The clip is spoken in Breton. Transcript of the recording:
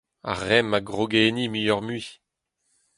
Ar remm a groge enni muioc’h-mui.